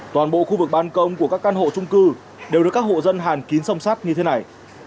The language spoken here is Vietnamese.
toàn bộ khu vực ban công của các căn hộ trung cư đều được các hộ dân hàn kín sông sát như thế này